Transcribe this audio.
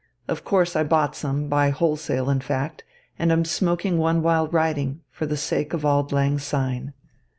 Of course, I bought some, by wholesale, in fact, and am smoking one while writing, for the sake of auld lang syne.